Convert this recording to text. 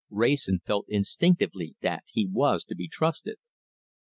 Wrayson felt instinctively that he was to be trusted.